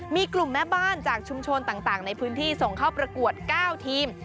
มีกลุ่มแม่บ้านจากชุมชนต่างในพื้นที่ส่งเข้าประกวด๙ทีม